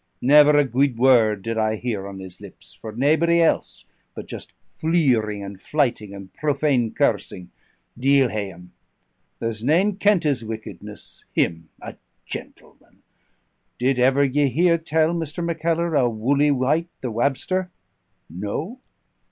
Never a guid word did I hear on his lips, nor naebody else, but just fleering and flyting and profane cursing deil ha'e him! There's nane kennt his wickedness: him a gentleman! Did ever ye hear tell, Mr. Mackellar, o' Wully White the wabster? No?